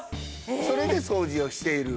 それで掃除をしている。